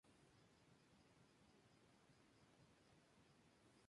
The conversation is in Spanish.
Les Côtes-de-Corps